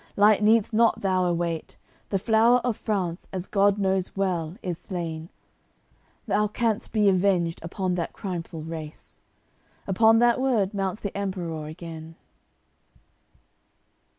Light needst not thou await. The flower of France, as God knows well, is slain; Thou canst be avenged upon that crimeful race." Upon that word mounts the Emperour again.